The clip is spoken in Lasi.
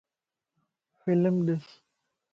فلم ڏس